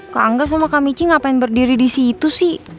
kak angga sama kak michi ngapain berdiri disitu sih